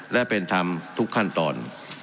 และเป็นธรรมทุกขั้นตอน